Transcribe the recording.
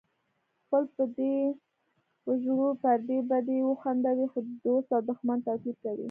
خپل به دې وژړوي پردی به دې وخندوي د دوست او دښمن توپیر کوي